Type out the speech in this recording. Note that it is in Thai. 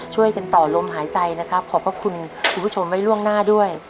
ช่วยกันต่อลมหายใจนะครับขอบพระคุณคุณผู้ชมไว้ล่วงหน้าด้วย